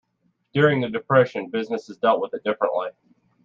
During the depression, businesses dealt with it differently.